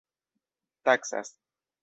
taksas